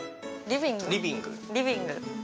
リビング。